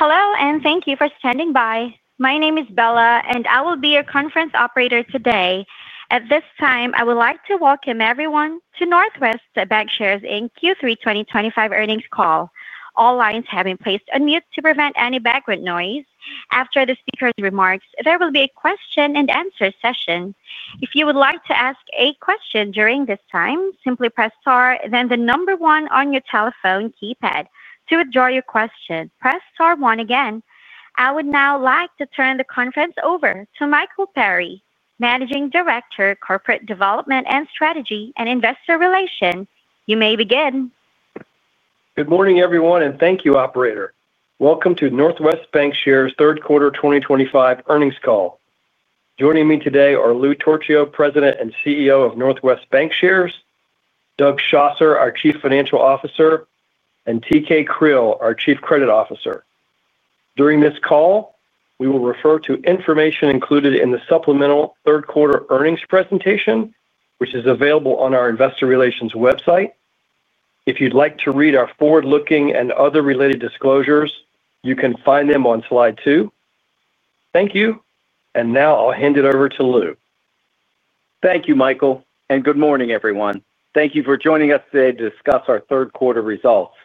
Hello and thank you for standing by. My name is Bella, and I will be your conference operator today. At this time, I would like to welcome everyone to Northwest Bancshares Inc. Q3 2025 earnings call. All lines have been placed on mute to prevent any background noise. After the speaker's remarks, there will be a question and answer session. If you would like to ask a question during this time, simply press star, then the number one on your telephone keypad. To withdraw your question, press star one again. I would now like to turn the conference over to Michael Perry, Managing Director, Corporate Development and Strategy, and Investor Relations. You may begin. Good morning, everyone, and thank you, operator. Welcome to Northwest Bancshares third quarter 2025 earnings call. Joining me today are Louis Torchio, President and CEO of Northwest Bancshares Inc., Doug Schosser, our Chief Financial Officer, and T.K. Creel, our Chief Credit Officer. During this call, we will refer to information included in the supplemental third quarter earnings presentation, which is available on our Investor Relations website. If you'd like to read our forward-looking and other related disclosures, you can find them on slide two. Thank you. Now I'll hand it over to Louis. Thank you, Michael, and good morning, everyone. Thank you for joining us today to discuss our third quarter results.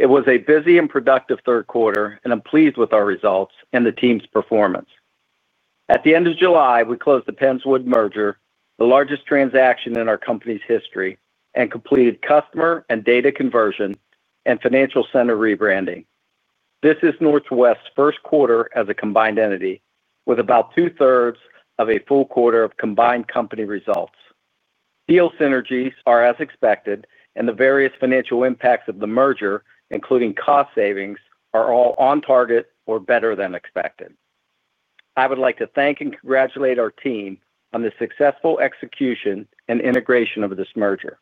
It was a busy and productive third quarter, and I'm pleased with our results and the team's performance. At the end of July, we closed the Penns Woods Bancorp merger, the largest transaction in our company's history, and completed customer and data conversion and financial center rebranding. This is Northwest's first quarter as a combined entity, with about two-thirds of a full quarter of combined company results. Deal synergies are as expected, and the various financial impacts of the merger, including cost savings, are all on target or better than expected. I would like to thank and congratulate our team on the successful execution and integration of this merger.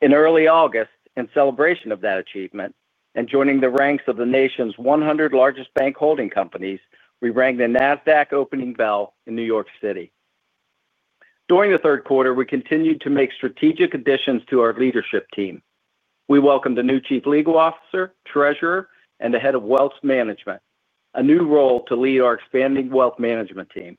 In early August, in celebration of that achievement and joining the ranks of the nation's 100 largest bank holding companies, we rang the NASDAQ opening bell in New York City. During the third quarter, we continued to make strategic additions to our leadership team. We welcomed a new Chief Legal Officer, Treasurer, and the Head of Wealth Management, a new role to lead our expanding wealth management team.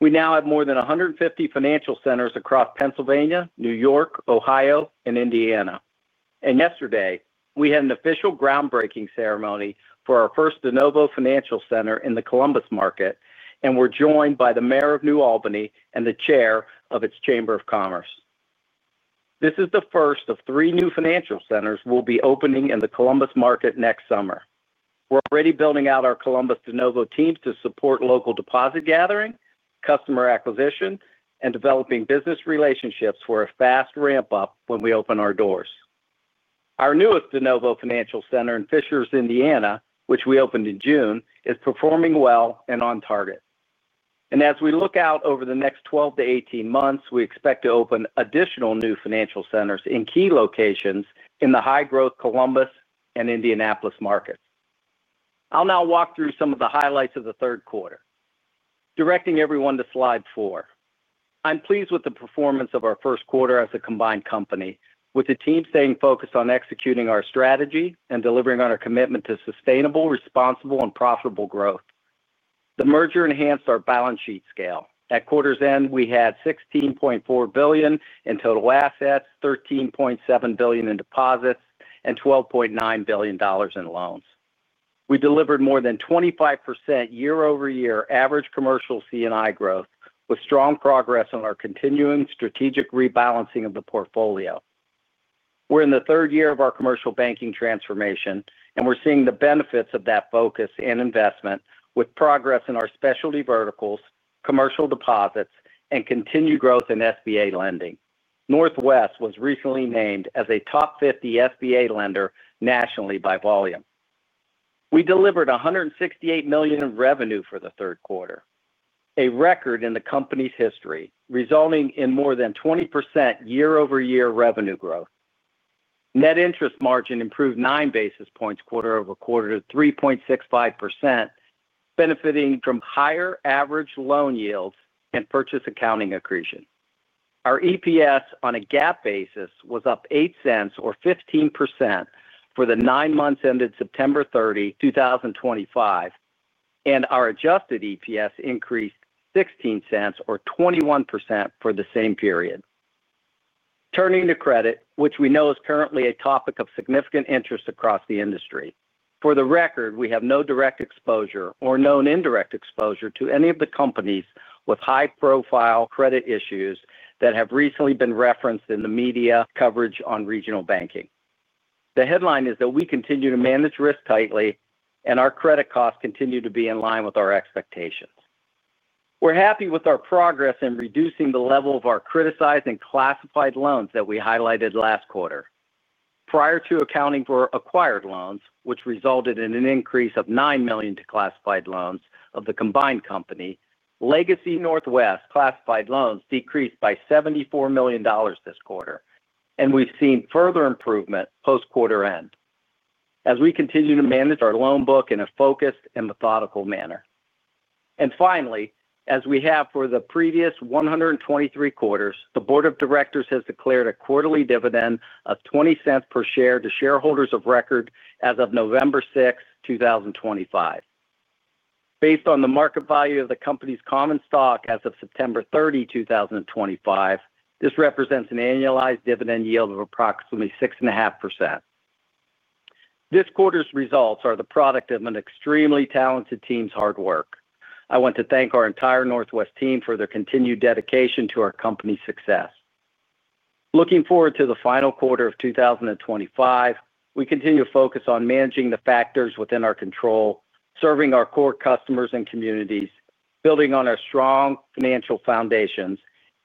We now have more than 150 financial centers across Pennsylvania, New York, Ohio, and Indiana. Yesterday, we had an official groundbreaking ceremony for our first de novo financial center in the Columbus market, and we were joined by the Mayor of New Albany and the Chair of its Chamber of Commerce. This is the first of three new financial centers we'll be opening in the Columbus market next summer. We're already building out our Columbus de novo teams to support local deposit gathering, customer acquisition, and developing business relationships for a fast ramp-up when we open our doors. Our newest de novo financial center in Fishers, Indiana, which we opened in June, is performing well and on target. As we look out over the next 12-18 months, we expect to open additional new financial centers in key locations in the high-growth Columbus and Indianapolis markets. I'll now walk through some of the highlights of the third quarter. Directing everyone to slide four, I'm pleased with the performance of our first quarter as a combined company, with the team staying focused on executing our strategy and delivering on our commitment to sustainable, responsible, and profitable growth. The merger enhanced our balance sheet scale. At quarter's end, we had $16.4 billion in total assets, $13.7 billion in deposits, and $12.9 billion in loans. We delivered more than 25% year-over-year average commercial and industrial loan growth, with strong progress on our continuing strategic rebalancing of the portfolio. We're in the third year of our commercial banking transformation, and we're seeing the benefits of that focus and investment, with progress in our specialty verticals, commercial deposits, and continued growth in SBA lending. Northwest was recently named as a top 50 SBA lender nationally by volume. We delivered $168 million in revenue for the third quarter, a record in the company's history, resulting in more than 20% year-over-year revenue growth. Net interest margin improved nine basis points quarter-over-quarter to 3.65%, benefiting from higher average loan yields and purchase accounting accretion. Our EPS on a GAAP basis was up $0.08 or 15% for the nine months ended September 30, 2025, and our adjusted EPS increased $0.16 or 21% for the same period. Turning to credit, which we know is currently a topic of significant interest across the industry, for the record, we have no direct exposure or known indirect exposure to any of the companies with high-profile credit issues that have recently been referenced in the media coverage on regional banking. The headline is that we continue to manage risk tightly, and our credit costs continue to be in line with our expectations. We're happy with our progress in reducing the level of our criticized and classified loans that we highlighted last quarter. Prior to accounting for acquired loans, which resulted in an increase of $9 million to classified loans of the combined company, legacy Northwest classified loans decreased by $74 million this quarter, and we've seen further improvement post-quarter end as we continue to manage our loan book in a focused and methodical manner. Finally, as we have for the previous 123 quarters, the Board of Directors has declared a quarterly dividend of $0.20 per share to shareholders of record as of November 6, 2025. Based on the market value of the company's common stock as of September 30, 2025, this represents an annualized dividend yield of approximately 6.5%. This quarter's results are the product of an extremely talented team's hard work. I want to thank our entire Northwest team for their continued dedication to our company's success. Looking forward to the final quarter of 2025, we continue to focus on managing the factors within our control, serving our core customers and communities, building on our strong financial foundations,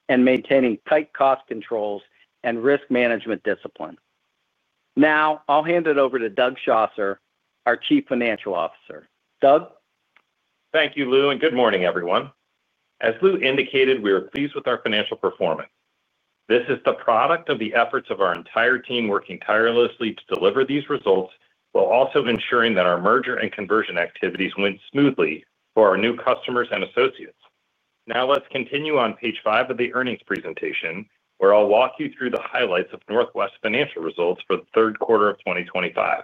and maintaining tight cost controls and risk management discipline. Now, I'll hand it over to Doug Schosser, our Chief Financial Officer. Doug? Thank you, Lou, and good morning, everyone. As Lou indicated, we are pleased with our financial performance. This is the product of the efforts of our entire team working tirelessly to deliver these results while also ensuring that our merger and conversion activities went smoothly for our new customers and associates. Now let's continue on page five of the earnings presentation, where I'll walk you through the highlights of Northwest's financial results for the third quarter of 2025.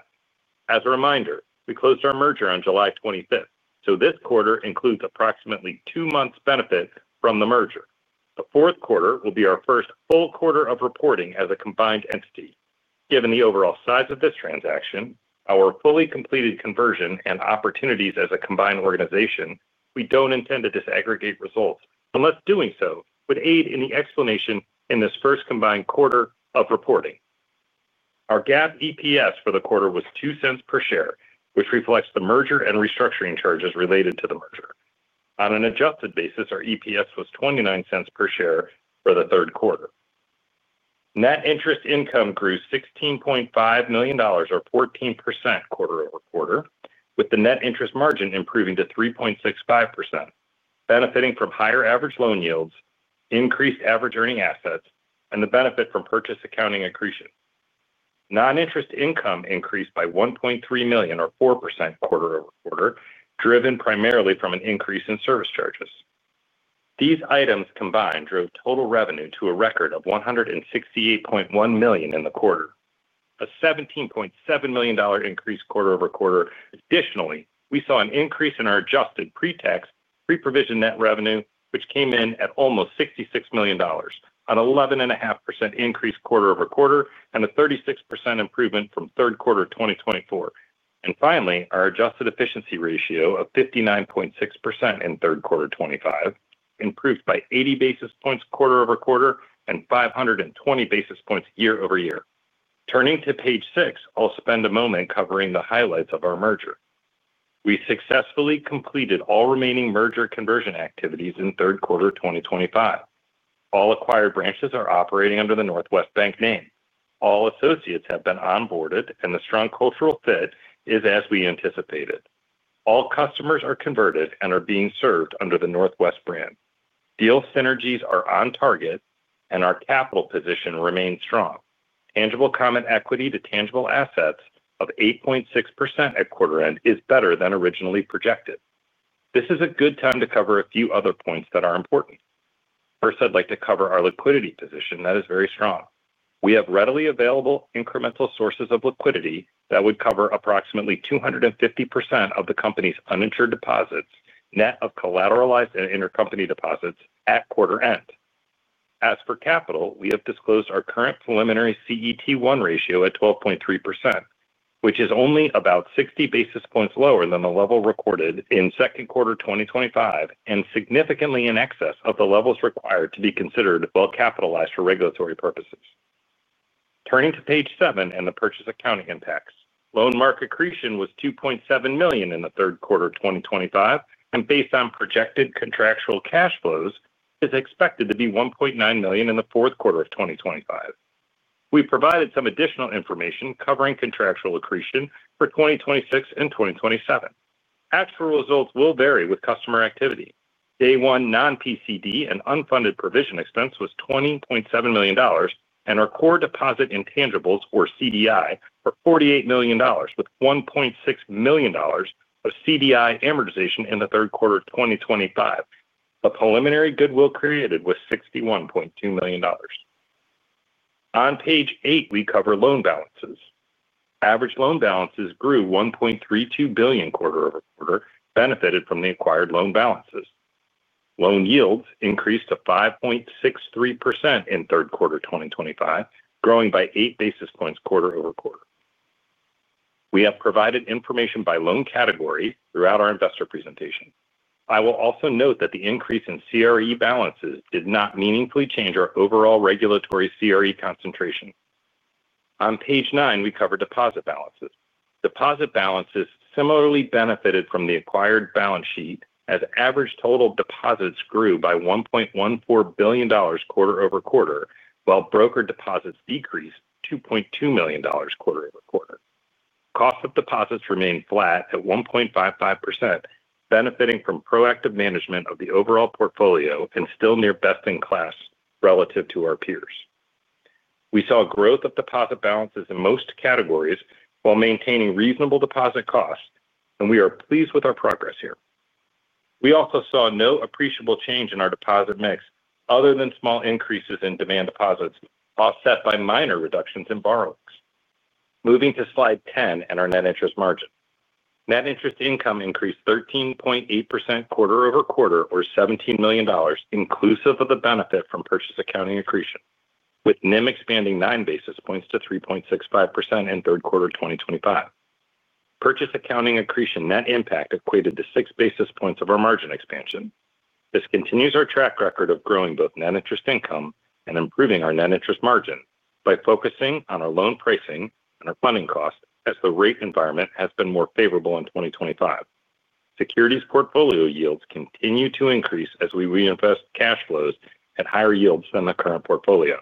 As a reminder, we closed our merger on July 25, so this quarter includes approximately two months' benefit from the merger. The fourth quarter will be our first full quarter of reporting as a combined entity. Given the overall size of this transaction, our fully completed conversion, and opportunities as a combined organization, we don't intend to disaggregate results unless doing so would aid in the explanation in this first combined quarter of reporting. Our GAAP EPS for the quarter was $0.02 per share, which reflects the merger and restructuring charges related to the merger. On an adjusted basis, our EPS was $0.29 per share for the third quarter. Net interest income grew $16.5 million, or 14% quarter-over-quarter, with the net interest margin improving to 3.65%, benefiting from higher average loan yields, increased average earning assets, and the benefit from purchase accounting accretion. Non-interest income increased by $1.3 million, or 4% quarter-over-quarter, driven primarily from an increase in service charges. These items combined drove total revenue to a record of $168.1 million in the quarter, a $17.7 million increase quarter-over-quarter. Additionally, we saw an increase in our adjusted pre-tax, pre-provision net revenue, which came in at almost $66 million, an 11.5% increase quarter-over-quarter, and a 36% improvement from third quarter 2024. Finally, our adjusted efficiency ratio of 59.6% in third quarter 2025 improved by 80 basis points quarter-over-quarter and 520 basis points year- over-year. Turning to page six, I'll spend a moment covering the highlights of our merger. We successfully completed all remaining merger conversion activities in third quarter 2025. All acquired branches are operating under the Northwest Bank name. All associates have been onboarded, and the strong cultural fit is as we anticipated. All customers are converted and are being served under the Northwest brand. Deal synergies are on target, and our capital position remains strong. Tangible common equity to tangible assets of 8.6% at quarter end is better than originally projected. This is a good time to cover a few other points that are important. First, I'd like to cover our liquidity position that is very strong. We have readily available incremental sources of liquidity that would cover approximately 250% of the company's uninsured deposits, net of collateralized and intercompany deposits at quarter end. As for capital, we have disclosed our current preliminary CET1 ratio at 12.3%, which is only about 60 basis points lower than the level recorded in second quarter 2025 and significantly in excess of the levels required to be considered well-capitalized for regulatory purposes. Turning to page seven and the purchase accounting impacts, loan market accretion was $2.7 million in the third quarter 2025, and based on projected contractual cash flows, it is expected to be $1.9 million in the fourth quarter of 2025. We provided some additional information covering contractual accretion for 2026 and 2027. Actual results will vary with customer activity. Day one non-PCD and unfunded provision expense was $20.7 million, and our core deposit intangibles, or CDI, were $48 million, with $1.6 million of CDI amortization in the third quarter of 2025. The preliminary goodwill created was $61.2 million. On page eight, we cover loan balances. Average loan balances grew $1.32 billion quarter-over-quarter, benefited from the acquired loan balances. Loan yields increased to 5.63% in third quarter 2025, growing by eight basis points quarter-over-quarter. We have provided information by loan category throughout our investor presentation. I will also note that the increase in CRE balances did not meaningfully change our overall regulatory CRE concentration. On page nine, we cover deposit balances. Deposit balances similarly benefited from the acquired balance sheet as average total deposits grew by $1.14 billion quarter-over-quarter, while broker deposits decreased $2.2 million quarter-over-quarter. Cost of deposits remained flat at 1.55%, benefiting from proactive management of the overall portfolio and still near best in class relative to our peers. We saw growth of deposit balances in most categories while maintaining reasonable deposit costs, and we are pleased with our progress here. We also saw no appreciable change in our deposit mix other than small increases in demand deposits offset by minor reductions in borrowings. Moving to slide 10 and our net interest margin. Net interest income increased 13.8% quarter-over-quarter, or $17 million, inclusive of the benefit from purchase accounting accretion, with NIM expanding nine basis points to 3.65% in third quarter 2025. Purchase accounting accretion net impact equated to six basis points of our margin expansion. This continues our track record of growing both net interest income and improving our net interest margin by focusing on our loan pricing and our funding costs as the rate environment has been more favorable in 2025. Securities portfolio yields continue to increase as we reinvest cash flows at higher yields than the current portfolio.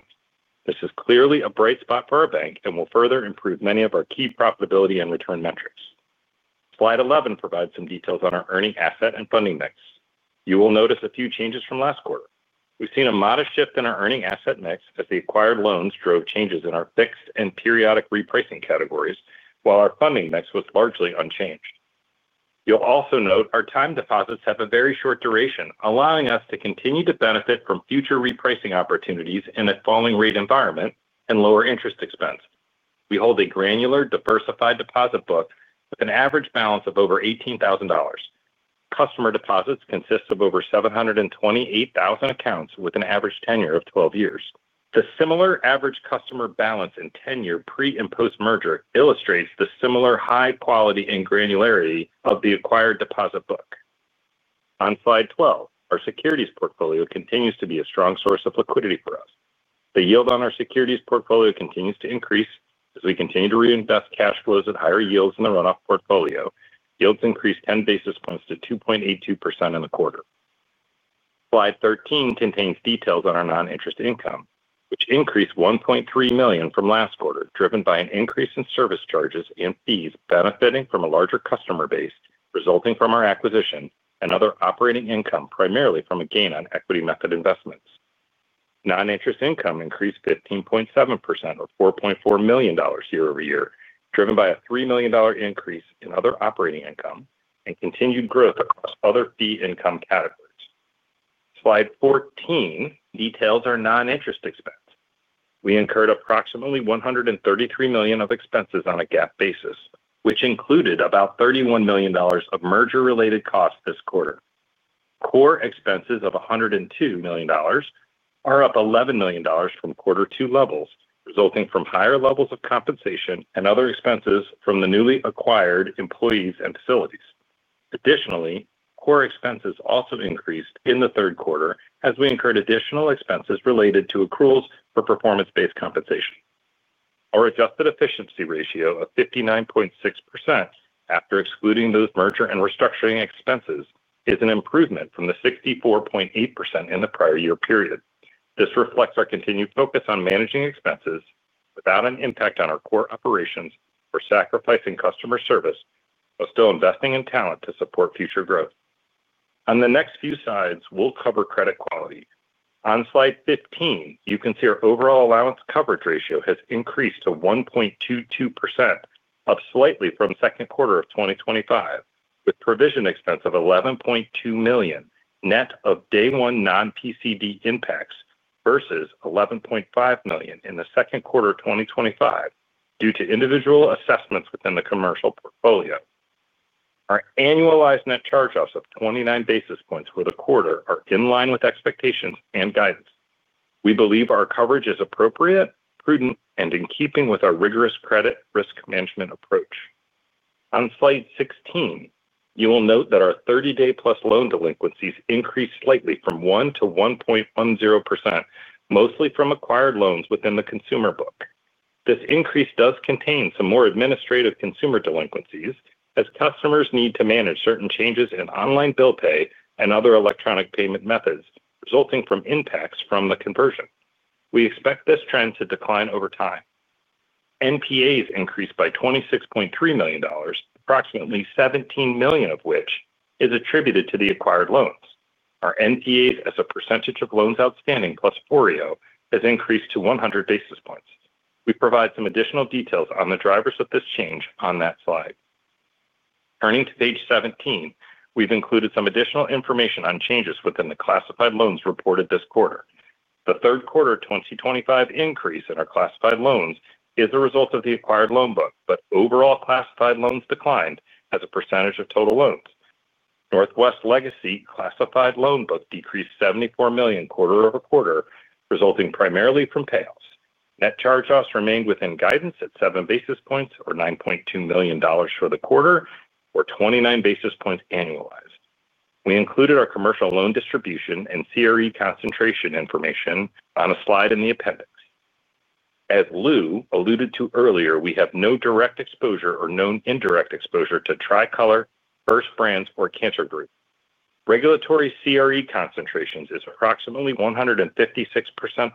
This is clearly a bright spot for our bank and will further improve many of our key profitability and return metrics. Slide 11 provides some details on our earning asset and funding mix. You will notice a few changes from last quarter. We've seen a modest shift in our earning asset mix as the acquired loans drove changes in our fixed and periodic repricing categories, while our funding mix was largely unchanged. You'll also note our time deposits have a very short duration, allowing us to continue to benefit from future repricing opportunities in a falling rate environment and lower interest expense. We hold a granular, diversified deposit book with an average balance of over $18,000. Customer deposits consist of over 728,000 accounts with an average tenure of 12 years. The similar average customer balance and tenure pre and post-merger illustrates the similar high quality and granularity of the acquired deposit book. On slide 12, our securities portfolio continues to be a strong source of liquidity for us. The yield on our securities portfolio continues to increase as we continue to reinvest cash flows at higher yields in the runoff portfolio. Yields increased 10 basis points to 2.82% in the quarter. Slide 13 contains details on our non-interest income, which increased $1.3 million from last quarter, driven by an increase in service charges and fees benefiting from a larger customer base resulting from our acquisition and other operating income, primarily from a gain on equity method investments. Non-interest income increased 15.7% or $4.4 million year-over-year, driven by a $3 million increase in other operating income and continued growth across other fee income categories. Slide 14 details our non-interest expense. We incurred approximately $133 million of expenses on a GAAP basis, which included about $31 million of merger-related costs this quarter. Core expenses of $102 million are up $11 million from quarter two levels, resulting from higher levels of compensation and other expenses from the newly acquired employees and facilities. Additionally, core expenses also increased in the third quarter as we incurred additional expenses related to accruals for performance-based compensation. Our adjusted efficiency ratio of 59.6% after excluding those merger and restructuring expenses is an improvement from the 64.8% in the prior year period. This reflects our continued focus on managing expenses without an impact on our core operations or sacrificing customer service, while still investing in talent to support future growth. On the next few slides, we'll cover credit quality. On slide 15, you can see our overall allowance coverage ratio has increased to 1.22% up slightly from second quarter of 2025, with provision expense of $11.2 million net of day one non-PCD impacts versus $11.5 million in the second quarter of 2025 due to individual assessments within the commercial portfolio. Our annualized net charge-offs of 29 basis points for the quarter are in line with expectations and guidance. We believe our coverage is appropriate, prudent, and in keeping with our rigorous credit risk management approach. On slide 16, you will note that our 30-day plus loan delinquencies increased slightly from 1%-1.10%, mostly from acquired loans within the consumer book. This increase does contain some more administrative consumer delinquencies as customers need to manage certain changes in online bill pay and other electronic payment methods, resulting from impacts from the conversion. We expect this trend to decline over time. NPAs increased by $26.3 million, approximately $17 million of which is attributed to the acquired loans. Our NPAs as a percentage of loans outstanding plus FOREO has increased to 100 basis points. We provide some additional details on the drivers of this change on that slide. Turning to page 17, we've included some additional information on changes within the classified loans reported this quarter. The third quarter 2025 increase in our classified loans is a result of the acquired loan book, but overall classified loans declined as a percentage of total loans. Northwest legacy classified loan book decreased $74 million quarter-over-quarter, resulting primarily from payoffs. Net charge-offs remained within guidance at 7 basis points or $9.2 million for the quarter, or 29 basis points annualized. We included our commercial loan distribution and CRE concentration information on a slide in the appendix. As Lou alluded to earlier, we have no direct exposure or known indirect exposure to Tricolor, First Brands, or Cantor Group. Regulatory CRE concentrations is approximately 156%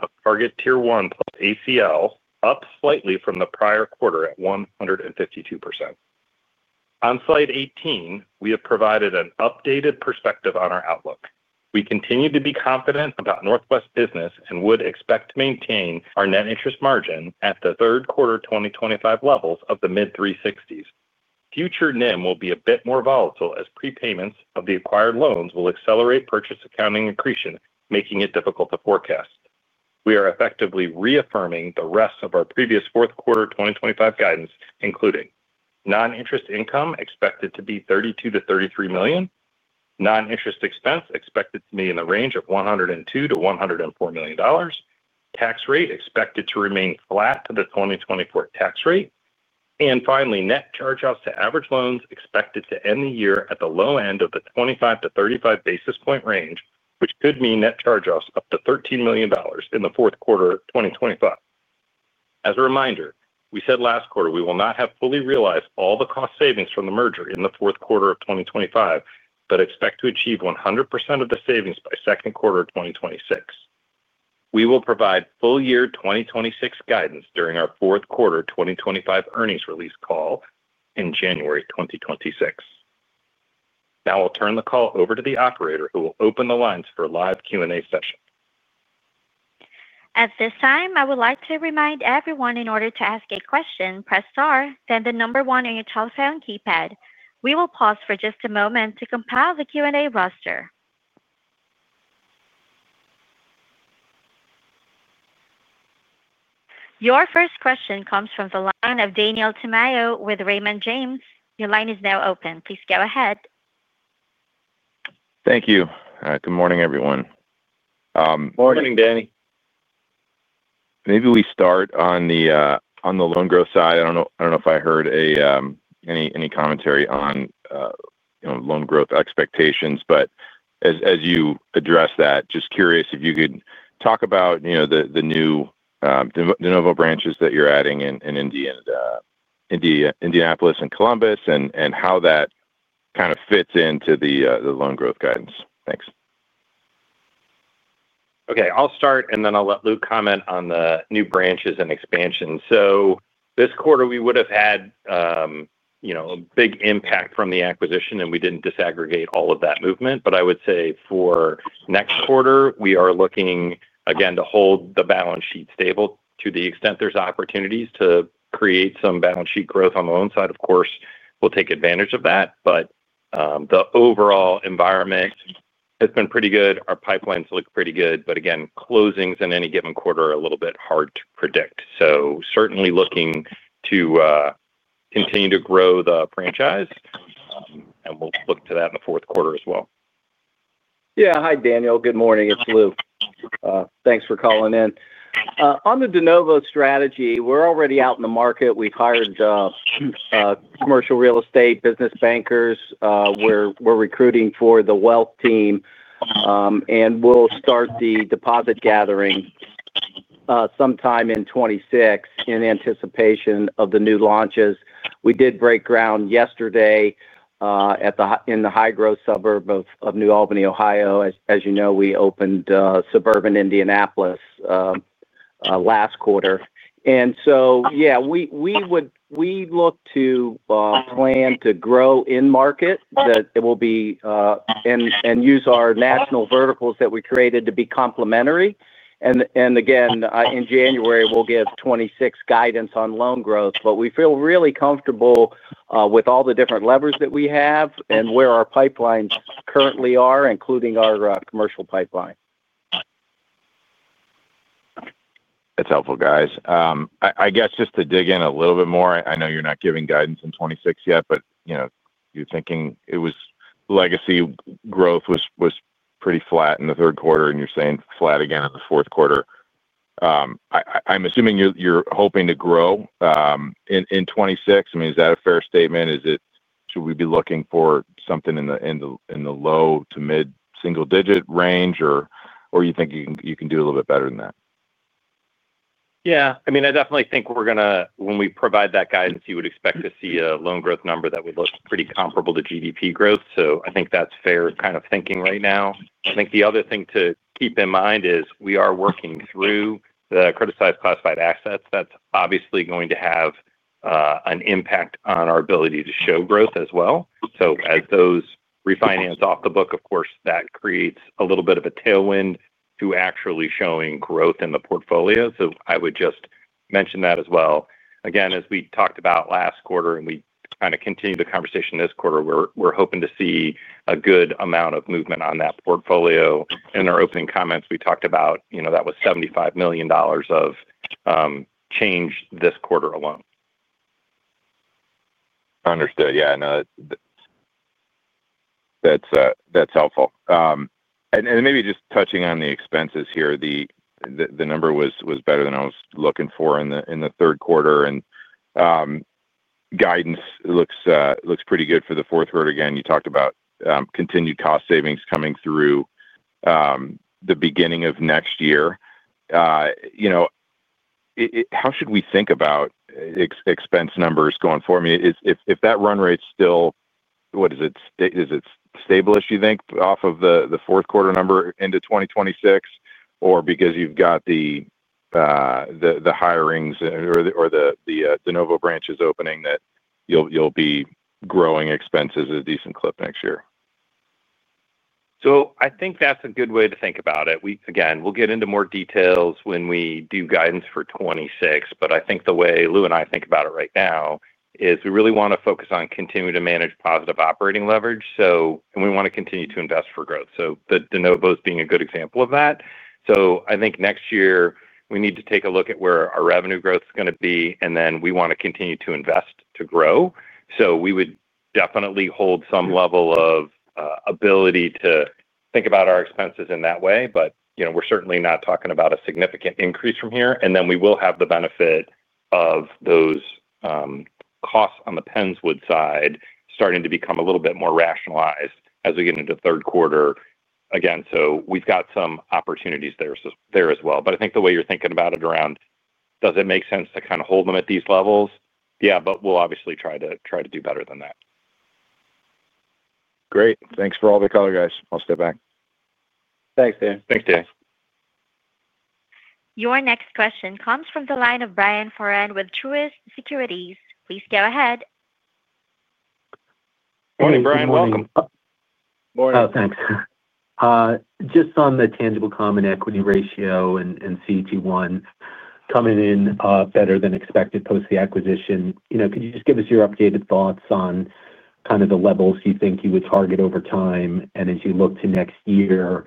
of target Tier 1 plus ACL, up slightly from the prior quarter at 152%. On slide 18, we have provided an updated perspective on our outlook. We continue to be confident about Northwest business and would expect to maintain our net interest margin at the third quarter 2025 levels of the mid-360s. Future NIM will be a bit more volatile as prepayments of the acquired loans will accelerate purchase accounting accretion, making it difficult to forecast. We are effectively reaffirming the rest of our previous fourth quarter 2025 guidance, including non-interest income expected to be $32 million-$33 million, non-interest expense expected to be in the range of $102 million-$104 million, tax rate expected to remain flat to the 2024 tax rate, and finally, net charge-offs to average loans expected to end the year at the low end of the 25-35 basis point range, which could mean net charge-offs up to $13 million in the fourth quarter of 2025. As a reminder, we said last quarter we will not have fully realized all the cost savings from the merger in the fourth quarter of 2025, but expect to achieve 100% of the savings by second quarter of 2026. We will provide full-year 2026 guidance during our fourth quarter 2025 earnings release call in January 2026. Now I'll turn the call over to the operator who will open the lines for a live Q&A session. At this time, I would like to remind everyone in order to ask a question, press star, then the number one on your telephone keypad. We will pause for just a moment to compile the Q&A roster. Your first question comes from the line of Daniel Tamayo with Raymond James. Your line is now open. Please go ahead. Thank you. Good morning, everyone. Morning, Danny. Maybe we start on the loan growth side. I don't know if I heard any commentary on loan growth expectations, but as you address that, just curious if you could talk about the new de novo branches that you're adding in Indianapolis and Columbus and how that kind of fits into the loan growth guidance. Thanks. Okay, I'll start and then I'll let Louis comment on the new branches and expansions. This quarter we would have had a big impact from the acquisition and we didn't disaggregate all of that movement, but I would say for next quarter we are looking again to hold the balance sheet stable to the extent there's opportunities to create some balance sheet growth on the loan side. Of course, we'll take advantage of that, but the overall environment has been pretty good. Our pipelines look pretty good, but closings in any given quarter are a little bit hard to predict. Certainly looking to continue to grow the franchise and we'll look to that in the fourth quarter as well. Yeah, hi Daniel, good morning, it's Louis. Thanks for calling in. On the de novo strategy, we're already out in the market. We've hired commercial real estate business bankers. We're recruiting for the wealth team, and we'll start the deposit gathering sometime in 2026 in anticipation of the new launches. We did break ground yesterday in the high-growth suburb of New Albany, Ohio. As you know, we opened suburban Indianapolis last quarter. We look to plan to grow in market that it will be and use our national verticals that we created to be complementary. In January, we'll give 2026 guidance on loan growth, but we feel really comfortable with all the different levers that we have and where our pipelines currently are, including our commercial pipeline. That's helpful, guys. I guess just to dig in a little bit more, I know you're not giving guidance in 2026 yet, but you're thinking it was legacy growth was pretty flat in the third quarter and you're saying flat again in the fourth quarter. I'm assuming you're hoping to grow in 2026. I mean, is that a fair statement? Should we be looking for something in the low to mid-single-digit range or you think you can do a little bit better than that? Yeah, I mean, I definitely think we're going to, when we provide that guidance, you would expect to see a loan growth number that would look pretty comparable to GDP growth. I think that's fair kind of thinking right now. I think the other thing to keep in mind is we are working through the criticized classified assets. That's obviously going to have an impact on our ability to show growth as well. As those refinance off the book, of course, that creates a little bit of a tailwind to actually showing growth in the portfolio. I would just mention that as well. Again, as we talked about last quarter and we kind of continue the conversation this quarter, we're hoping to see a good amount of movement on that portfolio. In our opening comments, we talked about that was $75 million of change this quarter alone. Understood, yeah, I know that's helpful. Maybe just touching on the expenses here, the number was better than I was looking for in the third quarter, and guidance looks pretty good for the fourth quarter. You talked about continued cost savings coming through the beginning of next year. How should we think about expense numbers going forward? I mean, if that run rate's still, what is it, is it stablish, you think, off of the fourth quarter number into 2026? Or because you've got the hirings or the de novo branches opening that you'll be growing expenses a decent clip next year? I think that's a good way to think about it. We'll get into more details when we do guidance for 2026, but I think the way Lou and I think about it right now is we really want to focus on continuing to manage positive operating leverage, and we want to continue to invest for growth. The de novos being a good example of that. I think next year we need to take a look at where our revenue growth is going to be, and then we want to continue to invest to grow. We would definitely hold some level of ability to think about our expenses in that way, but we're certainly not talking about a significant increase from here. We will have the benefit of those costs on the Penns Woods side starting to become a little bit more rationalized as we get into third quarter again. We've got some opportunities there as well. I think the way you're thinking about it around, does it make sense to kind of hold them at these levels? Yeah, but we'll obviously try to do better than that. Great, thanks for all the color, guys. I'll step back. Thanks, Daniel. Thanks, Daniel. Your next question comes from the line of Brian Faran with Truist Securities. Please go ahead. Morning, Brian. Welcome. Morning. Oh, thanks. Just on the tangible common equity ratio and CET1 coming in better than expected post the acquisition, could you just give us your updated thoughts on kind of the levels you think you would target over time? As you look to next year,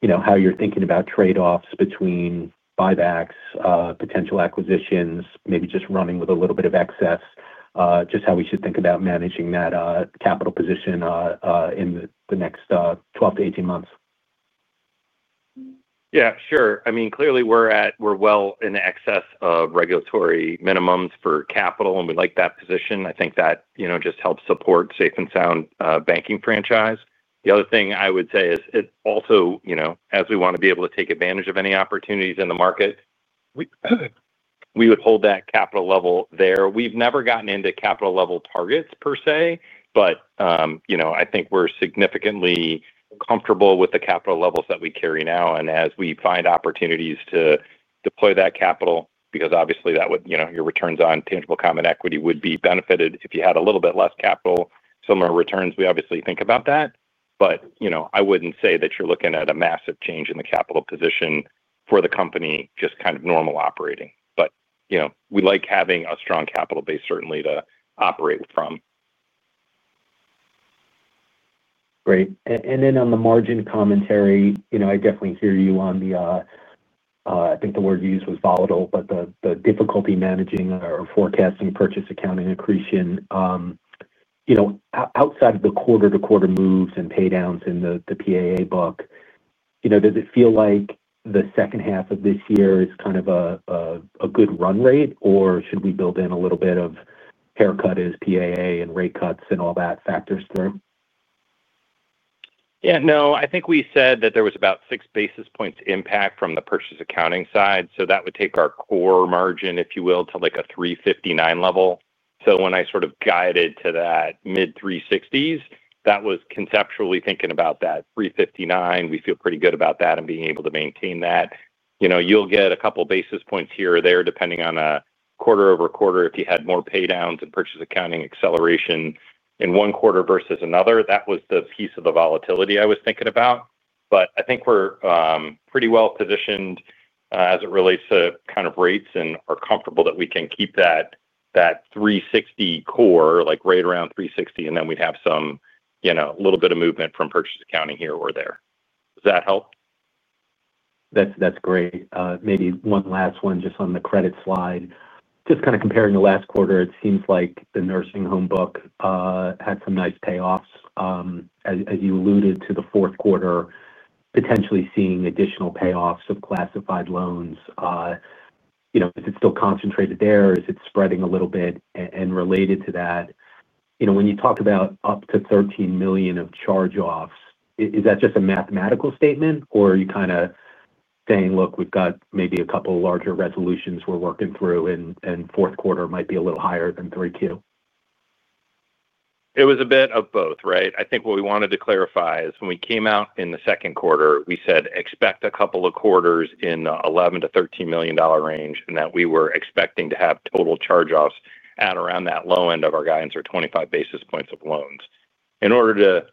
you know how you're thinking about trade-offs between buybacks, potential acquisitions, maybe just running with a little bit of excess, just how we should think about managing that capital position in the next 12-18 months? Yeah, sure. Clearly we're well in excess of regulatory minimums for capital and we like that position. I think that just helps support a safe and sound banking franchise. The other thing I would say is also, as we want to be able to take advantage of any opportunities in the market, we would hold that capital level there. We've never gotten into capital level targets per se, but I think we're significantly comfortable with the capital levels that we carry now. As we find opportunities to deploy that capital, because obviously your returns on tangible common equity would be benefited if you had a little bit less capital, similar returns, we obviously think about that. I wouldn't say that you're looking at a massive change in the capital position for the company, just kind of normal operating. We like having a strong capital base certainly to operate from. Great. On the margin commentary, I definitely hear you on the, I think the word used was volatile, the difficulty managing or forecasting purchase accounting accretion. Outside of the quarter-to-quarter moves and paydowns in the PAA book, does it feel like the second half of this year is kind of a good run rate, or should we build in a little bit of haircut as PAA and rate cuts and all that factors through? Yeah, no, I think we said that there was about 6 basis points impact from the purchase accounting side. That would take our core margin, if you will, to like a 3.59% level. When I sort of guided to that mid-3.60%s, that was conceptually thinking about that 3.59%. We feel pretty good about that and being able to maintain that. You'll get a couple basis points here or there depending on a quarter-over-quarter if you had more paydowns and purchase accounting acceleration in one quarter versus another. That was the piece of the volatility I was thinking about. I think we're pretty well positioned as it relates to kind of rates and are comfortable that we can keep that 3.60% core, like right around 3.60%, and then we'd have some, you know, a little bit of movement from purchase accounting here or there. Does that help? That's great. Maybe one last one just on the credit slide. Just kind of comparing the last quarter, it seems like the nursing home book had some nice payoffs. As you alluded to the fourth quarter, potentially seeing additional payoffs of classified loans. Is it still concentrated there? Is it spreading a little bit? Related to that, when you talk about up to $13 million of charge-offs, is that just a mathematical statement, or are you kind of saying, look, we've got maybe a couple larger resolutions we're working through and fourth quarter might be a little higher than 3Q? It was a bit of both, right? I think what we wanted to clarify is when we came out in the second quarter, we said expect a couple of quarters in the $11 million-$13 million range and that we were expecting to have total charge-offs at around that low end of our guidance or 25 basis points of loans. In order to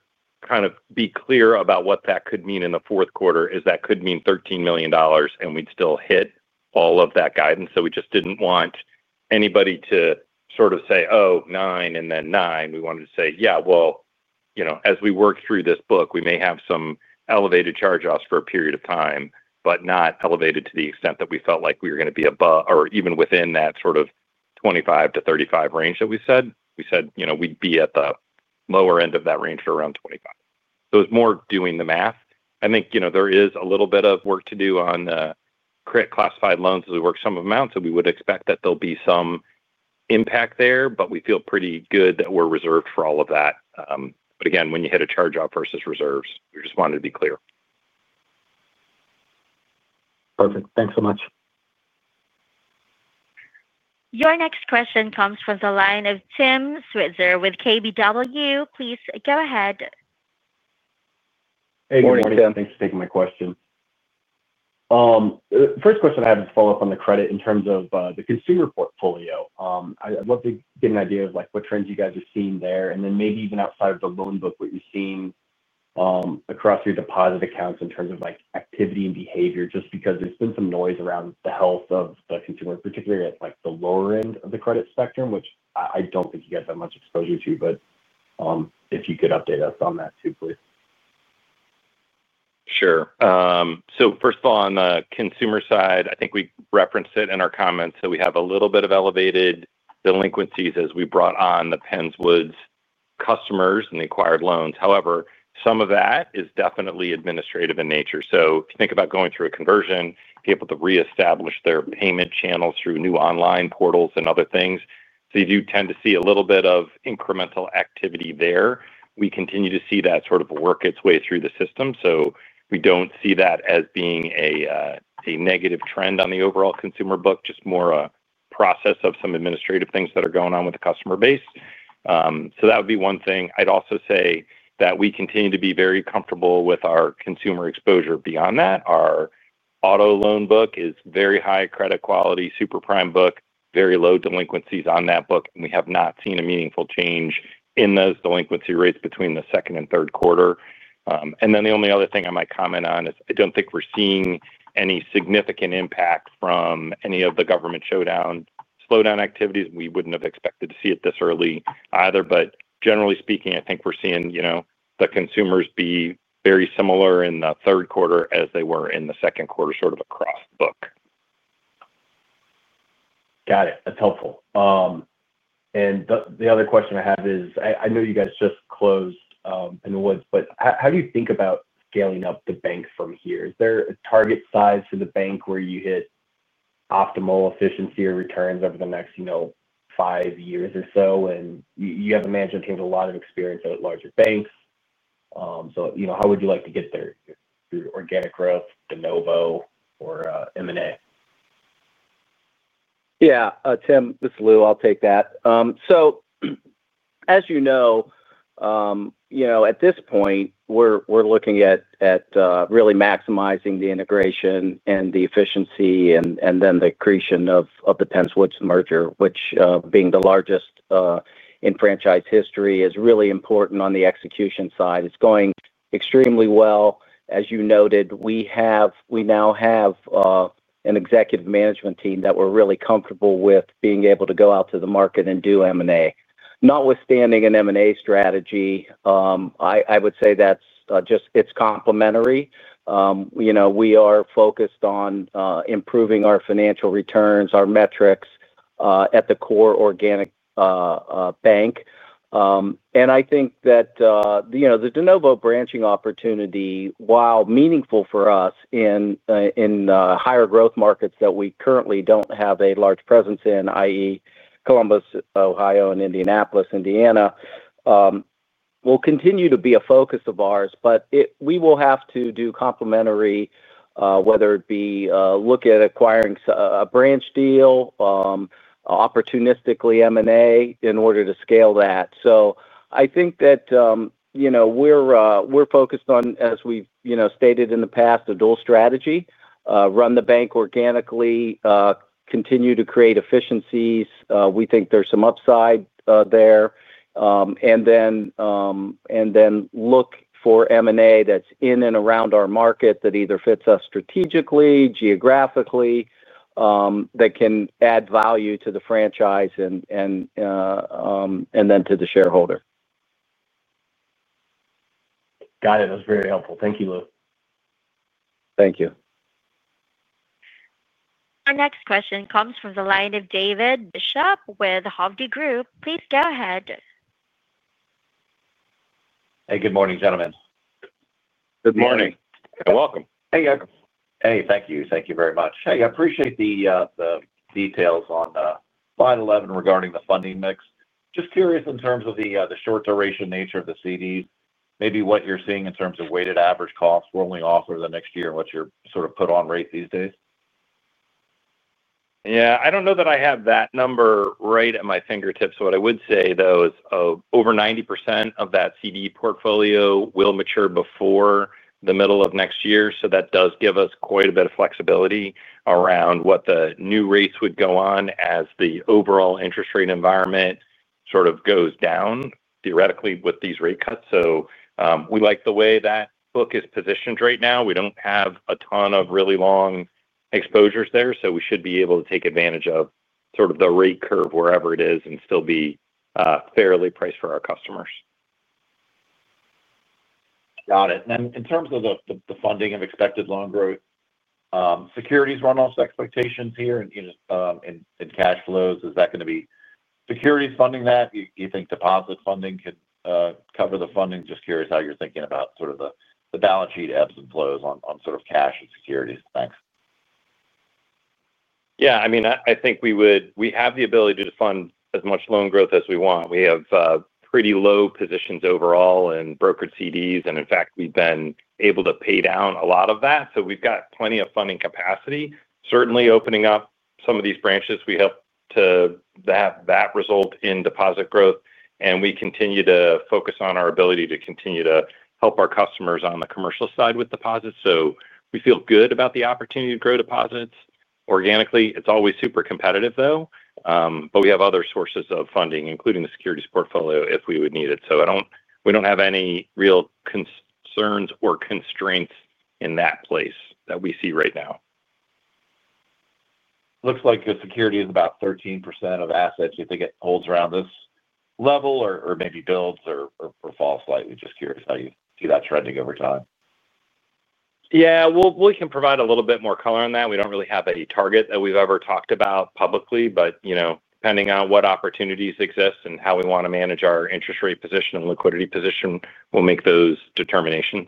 be clear about what that could mean in the fourth quarter, that could mean $13 million and we'd still hit all of that guidance. We just didn't want anybody to sort of say, oh, nine and then nine. We wanted to say, yeah, as we work through this book, we may have some elevated charge-offs for a period of time, but not elevated to the extent that we felt like we were going to be above or even within that sort of 25-35 range that we said. We said we'd be at the lower end of that range for around 25. It was more doing the math. I think there is a little bit of work to do on the classified loans as we work some of them out. We would expect that there'll be some impact there, but we feel pretty good that we're reserved for all of that. Again, when you hit a charge-off versus reserves, we just wanted to be clear. Perfect. Thanks so much. Your next question comes from the line of Tim Switzer with KBW. Please go ahead. Hey, good morning. Thanks for taking my question. First question I have is to follow up on the credit in terms of the consumer portfolio. I'd love to get an idea of what trends you guys are seeing there, and then maybe even outside of the loan book, what you're seeing across your deposit accounts in terms of activity and behavior, just because there's been some noise around the health of the consumer, particularly at the lower end of the credit spectrum, which I don't think you get that much exposure to, but if you could update us on that too, please. Sure. First of all, on the consumer side, I think we referenced it in our comments. We have a little bit of elevated delinquencies as we brought on the Penns Woods customers and the acquired loans. However, some of that is definitely administrative in nature. If you think about going through a conversion, people have to reestablish their payment channels through new online portals and other things. You do tend to see a little bit of incremental activity there. We continue to see that sort of work its way through the system. We don't see that as being a negative trend on the overall consumer book, just more a process of some administrative things that are going on with the customer base. That would be one thing. I'd also say that we continue to be very comfortable with our consumer exposure beyond that. Our auto loan book is very high credit quality, super prime book, very low delinquencies on that book. We have not seen a meaningful change in those delinquency rates between the second and third quarter. The only other thing I might comment on is I don't think we're seeing any significant impact from any of the government shutdown, slowdown activities. We wouldn't have expected to see it this early either. Generally speaking, I think we're seeing the consumers be very similar in the third quarter as they were in the second quarter across the book. Got it. That's helpful. The other question I have is, I know you guys just closed in the woods, but how do you think about scaling up the bank from here? Is there a target size to the bank where you hit optimal efficiency or returns over the next five years or so? You have the management teams with a lot of experience at larger banks, so how would you like to get there through organic growth, de novo, or M&A? Yeah, Tim, this is Louis, I'll take that. As you know, at this point, we're looking at really maximizing the integration and the efficiency and then the accretion of the Penns Woods merger, which being the largest in franchise history is really important on the execution side. It's going extremely well. As you noted, we now have an executive management team that we're really comfortable with being able to go out to the market and do M&A. Notwithstanding an M&A strategy, I would say that's just, it's complimentary. We are focused on improving our financial returns, our metrics at the core organic bank. I think that the de novo branching opportunity, while meaningful for us in higher growth markets that we currently don't have a large presence in, i.e. Columbus, Ohio, and Indianapolis, Indiana, will continue to be a focus of ours, but we will have to do complimentary, whether it be look at acquiring a branch deal, opportunistically M&A in order to scale that. I think that we're focused on, as we've stated in the past, a dual strategy. Run the bank organically, continue to create efficiencies. We think there's some upside there. Then look for M&A that's in and around our market that either fits us strategically, geographically, that can add value to the franchise and then to the shareholder. Got it. That was very helpful. Thank you, Lou. Thank you. Our next question comes from the line of David Bishop with Hovde Group. Please go ahead. Hey, good morning, gentlemen. Good morning. You're welcome. Thank you. Thank you very much. I appreciate the details on line 11 regarding the funding mix. Just curious in terms of the short duration nature of the certificates of deposit, maybe what you're seeing in terms of weighted average costs rolling off over the next year and what your sort of put-on rate these days? I don't know that I have that number right at my fingertips. What I would say, though, is over 90% of that CD portfolio will mature before the middle of next year. That does give us quite a bit of flexibility around what the new rates would go on as the overall interest rate environment sort of goes down, theoretically, with these rate cuts. We like the way that book is positioned right now. We don't have a ton of really long exposures there. We should be able to take advantage of sort of the rate curve wherever it is and still be fairly priced for our customers. Got it. In terms of the funding of expected loan growth, securities run off expectations here and in cash flows, is that going to be securities funding that? Do you think deposit funding could cover the funding? Just curious how you're thinking about sort of the balance sheet ebbs and flows on sort of cash and securities. Thanks. Yeah, I mean, I think we would, we have the ability to fund as much loan growth as we want. We have pretty low positions overall in brokered certificates of deposit. In fact, we've been able to pay down a lot of that. We've got plenty of funding capacity. Certainly, opening up some of these branches, we hope to have that result in deposit growth. We continue to focus on our ability to continue to help our customers on the commercial side with deposits. We feel good about the opportunity to grow deposits organically. It's always super competitive, though. We have other sources of funding, including the securities portfolio, if we would need it. We don't have any real concerns or constraints in that place that we see right now. Looks like your security is about 13% of assets. Do you think it holds around this level or maybe builds or falls slightly? Just curious how you see that trending over time. Yeah, we can provide a little bit more color on that. We don't really have any target that we've ever talked about publicly, but depending on what opportunities exist and how we want to manage our interest rate position and liquidity position, we'll make those determinations.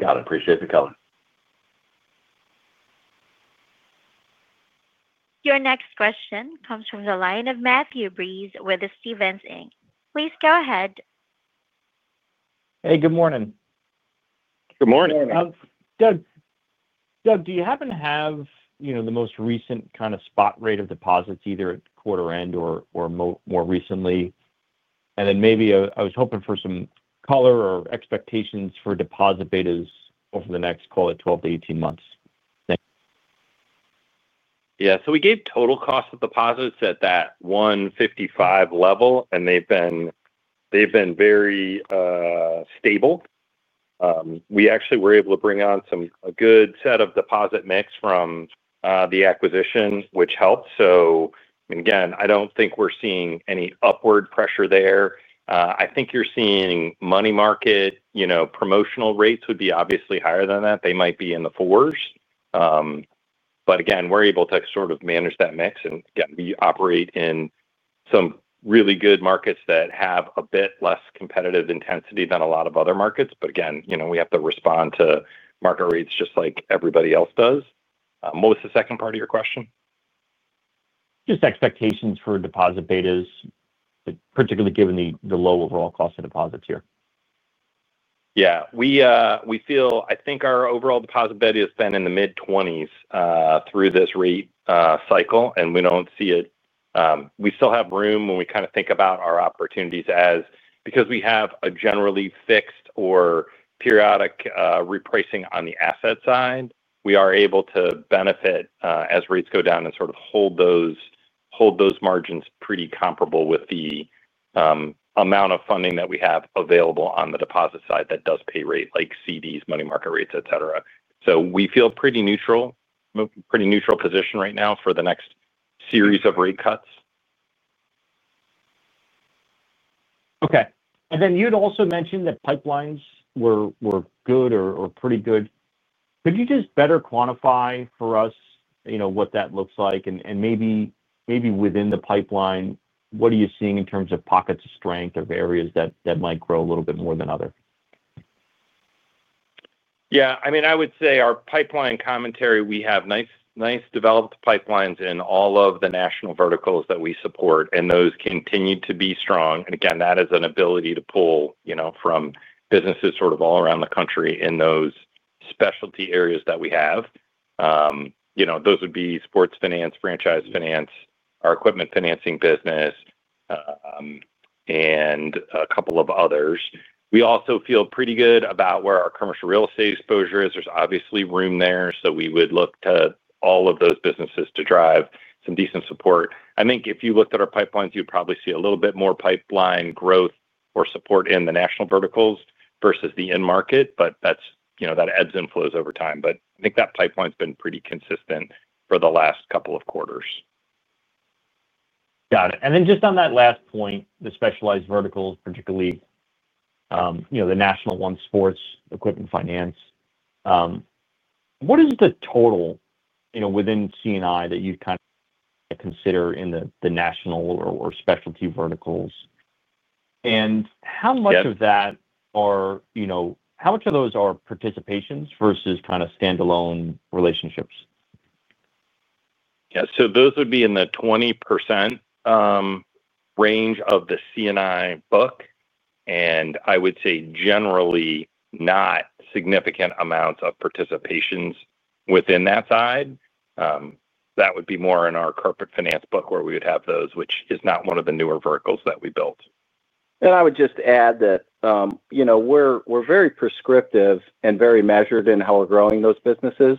Got it. Appreciate the color. Your next question comes from the line of Matt Breese with Stephens Inc. Please go ahead. Hey, good morning. Good morning. Doug, do you happen to have the most recent kind of spot rate of deposits either at quarter end or more recently? Maybe I was hoping for some color or expectations for deposit betas over the next, call it, 12-18 months. Thanks. Yeah, so we gave total cost of deposits at that $1.55 level, and they've been very stable. We actually were able to bring on a good set of deposit mix from the acquisition, which helped. I don't think we're seeing any upward pressure there. I think you're seeing money market, you know, promotional rates would be obviously higher than that. They might be in the 4%. Again, we're able to sort of manage that mix. We operate in some really good markets that have a bit less competitive intensity than a lot of other markets. You know, we have to respond to market rates just like everybody else does. What was the second part of your question? Just expectations for deposit betas, particularly given the low overall cost of deposits here. Yeah, we feel our overall deposit beta is spending in the mid-20s through this rate cycle, and we don't see it. We still have room when we kind of think about our opportunities because we have a generally fixed or periodic repricing on the asset side. We are able to benefit as rates go down and sort of hold those margins pretty comparable with the amount of funding that we have available on the deposit side that does pay rate, like certificates of deposit, money market rates, etc. We feel pretty neutral, pretty neutral position right now for the next series of rate cuts. Okay. You'd also mentioned that pipelines were good or pretty good. Could you just better quantify for us what that looks like? Maybe within the pipeline, what are you seeing in terms of pockets of strength or areas that might grow a little bit more than others? Yeah, I mean, I would say our pipeline commentary, we have nice developed pipelines in all of the national verticals that we support, and those continue to be strong. That is an ability to pull, you know, from businesses sort of all around the country in those specialty areas that we have. Those would be sports finance, franchise finance, our equipment financing business, and a couple of others. We also feel pretty good about where our commercial real estate exposure is. There's obviously room there. We would look to all of those businesses to drive some decent support. I think if you looked at our pipelines, you'd probably see a little bit more pipeline growth or support in the national verticals versus the in-market, but that's, you know, that ebbs and flows over time. I think that pipeline's been pretty consistent for the last couple of quarters. Got it. On that last point, the specialized verticals, particularly the national ones, sports, equipment finance, what is the total within commercial and industrial that you'd consider in the national or specialty verticals? How much of that are participations versus standalone relationships? Yeah, so those would be in the 20% range of the commercial and industrial book. I would say generally not significant amounts of participations within that side. That would be more in our corporate finance book where we would have those, which is not one of the newer verticals that we built. I would just add that we're very prescriptive and very measured in how we're growing those businesses.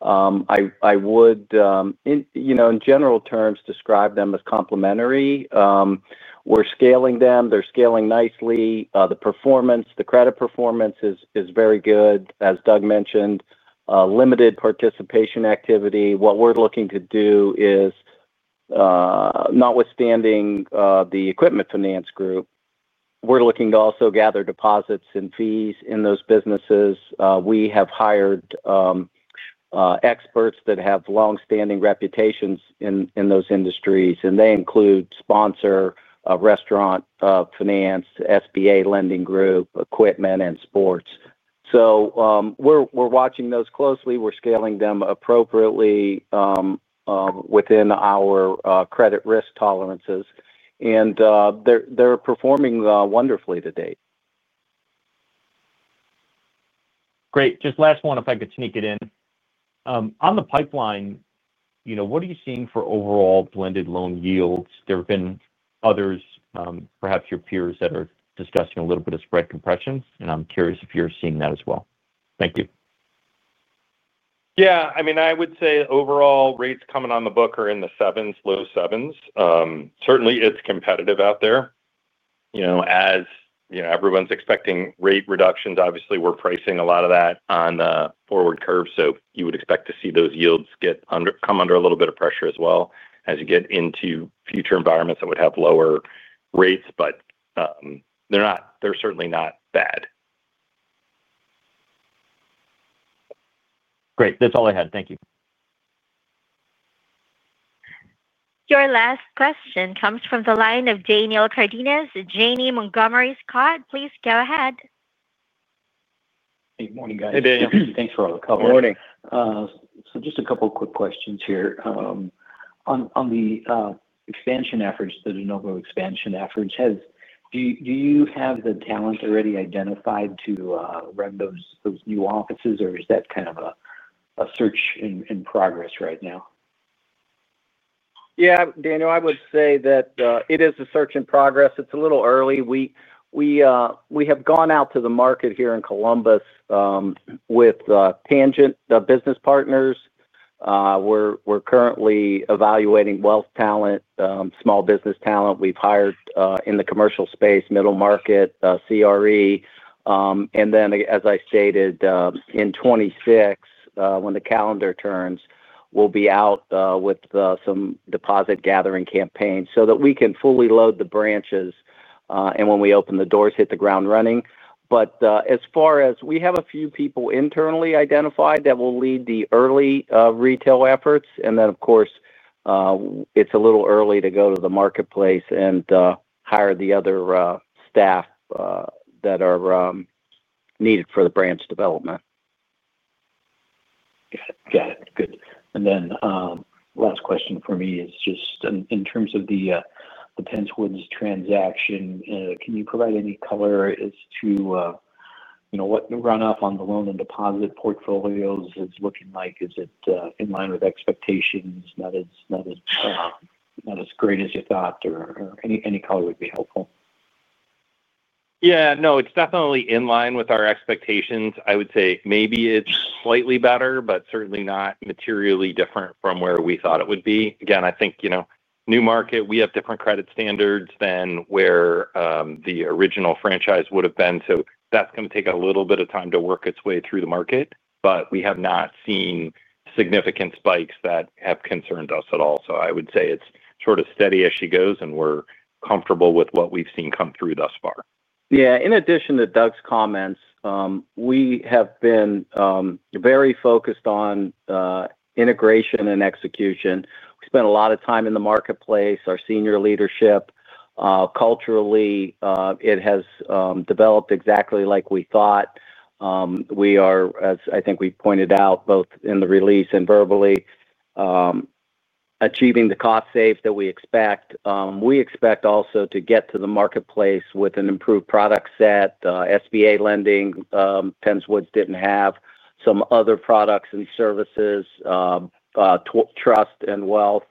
I would, in general terms, describe them as complimentary. We're scaling them. They're scaling nicely. The performance, the credit performance is very good, as Doug mentioned. Limited participation activity. What we're looking to do is, notwithstanding the equipment finance group, we're looking to also gather deposits and fees in those businesses. We have hired experts that have longstanding reputations in those industries, and they include sponsor, restaurant, finance, SBA lending group, equipment, and sports. We're watching those closely. We're scaling them appropriately within our credit risk tolerances, and they're performing wonderfully to date. Great. Just last one, if I could sneak it in. On the pipeline, you know, what are you seeing for overall blended loan yields? There have been others, perhaps your peers, that are discussing a little bit of spread compression, and I'm curious if you're seeing that as well. Thank you. I would say overall rates coming on the book are in the sevens, low sevens. Certainly, it's competitive out there. As you know, everyone's expecting rate reductions. Obviously, we're pricing a lot of that on the forward curve. You would expect to see those yields come under a little bit of pressure as well as you get into future environments that would have lower rates, but they're not, they're certainly not bad. Great. That's all I had. Thank you. Your last question comes from the line of Daniel Cardenas, Janney Montgomery Scott. Please go ahead. Hey, good morning, guys. Hey, Dan. Just a couple of quick questions here. On the expansion efforts, the de novo expansion efforts, do you have the talent already identified to run those new offices, or is that kind of a search in progress right now? Yeah, Dan, I would say that it is a search in progress. It's a little early. We have gone out to the market here in Columbus with Tangent, the business partners. We're currently evaluating wealth talent, small business talent. We've hired in the commercial space, middle market, CRE. As I stated, in 2026, when the calendar turns, we'll be out with some deposit gathering campaigns so that we can fully load the branches. When we open the doors, hit the ground running. As far as we have a few people internally identified that will lead the early retail efforts. Of course, it's a little early to go to the marketplace and hire the other staff that are needed for the branch development. Got it. Good. Last question for me is just in terms of the Penns Woods transaction, can you provide any color as to, you know, what the run-up on the loan and deposit portfolios is looking like? Is it in line with expectations, not as great as you thought, or any color would be helpful? Yeah, no, it's definitely in line with our expectations. I would say maybe it's slightly better, but certainly not materially different from where we thought it would be. I think, you know, new market, we have different credit standards than where the original franchise would have been. That's going to take a little bit of time to work its way through the market. We have not seen significant spikes that have concerned us at all. I would say it's sort of steady as she goes, and we're comfortable with what we've seen come through thus far. Yeah, in addition to Doug Schosser's comments, we have been very focused on integration and execution. We spent a lot of time in the marketplace. Our senior leadership, culturally, it has developed exactly like we thought. We are, as I think we pointed out both in the release and verbally, achieving the cost save that we expect. We expect also to get to the marketplace with an improved product set. SBA lending, Penns Woods didn't have some other products and services, trust, and wealth.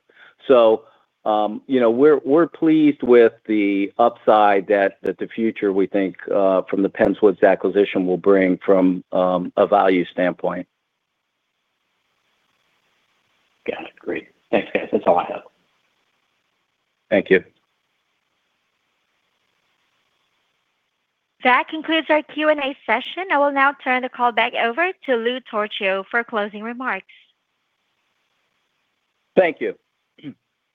We're pleased with the upside that the future we think from the Penns Woods acquisition will bring from a value standpoint. Got it. Great. Thanks, guys. That's all I have. Thank you. That concludes our Q&A session. I will now turn the call back over to Louis Torchio for closing remarks. Thank you.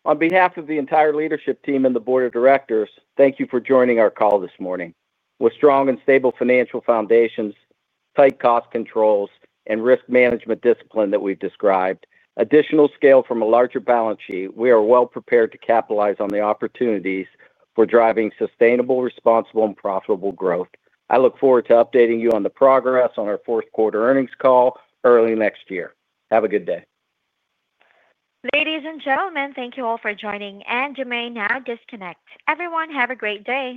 On behalf of the entire leadership team and the Board of Directors, thank you for joining our call this morning. With strong and stable financial foundations, tight cost controls, and risk management discipline that we've described, additional scale from a larger balance sheet, we are well prepared to capitalize on the opportunities for driving sustainable, responsible, and profitable growth. I look forward to updating you on the progress on our fourth quarter earnings call early next year. Have a good day. Ladies and gentlemen, thank you all for joining, and you may now disconnect. Everyone, have a great day.